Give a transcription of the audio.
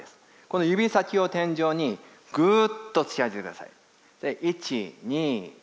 この指先を天井にぐっと突き上げてください。